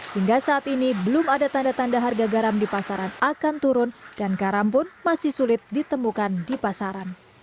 hingga saat ini belum ada tanda tanda harga garam di pasaran akan turun dan garam pun masih sulit ditemukan di pasaran